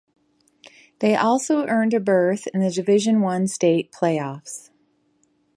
They also earned a berth in the Division One State playoffs.